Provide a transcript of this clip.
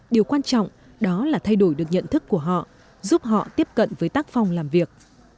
điều quan trọng đó là thay đổi được nhận thức của họ giúp họ tiếp cận với tác phong làm việc